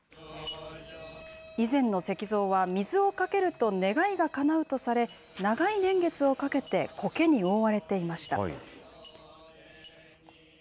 以前の石像は、水をかけると願いがかなうとされ、長い年月をかけてこけに覆われていました。